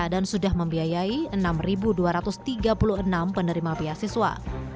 sudah membiayai enam dua ratus tiga puluh enam penerima beasiswa